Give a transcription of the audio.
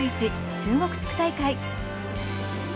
中国地区大会」。